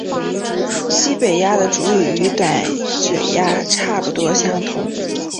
西北鸦的主羽与短嘴鸦差不多相同。